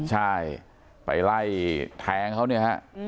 ใช่ไปไล่แทงเขาเนี่ยฮะ